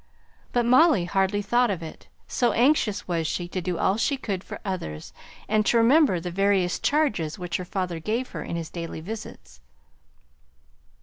But Molly hardly thought of it, so anxious was she to do all she could for others, and to remember the various charges which her father gave her in his daily visits.